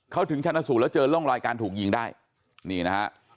เขาถึงชนะสูตรแล้วเจอร่องรอยการถูกยิงได้นี่นะฮะ